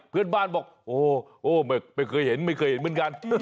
เพื่อนบ้านบอกโอ้ไม่เคยเห็นไม่เคยเห็นเหมือนกัน